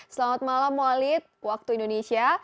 selamat malam walid waktu indonesia